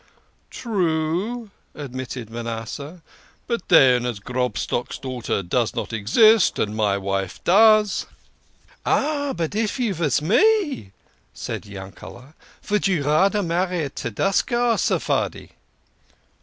"True," admitted Manasseh. "But then, as Grobstock's daughter does not exist, and my wife does !" "Ah, but if you vas me," said Yankele", "vould you rader marry a Tedesco or a Sephardi